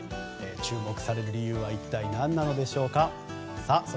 注目される理由は一体何なのでしょうか。